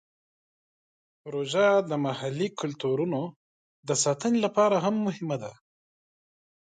پروژه د محلي کلتورونو د ساتنې لپاره هم مهمه ده.